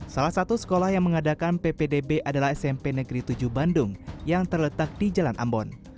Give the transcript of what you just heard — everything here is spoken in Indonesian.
salah satu sekolah yang mengadakan ppdb adalah smp negeri tujuh bandung yang terletak di jalan ambon